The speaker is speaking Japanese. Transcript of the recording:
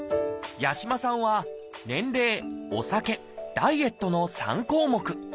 八嶋さんは「年齢」「お酒」「ダイエット」の３項目。